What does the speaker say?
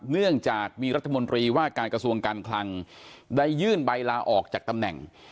เนื่องจากมีรัฐมนตรีว่าการกระทรวงการคลังได้ยื่นใบลาออกจากตำแหน่ง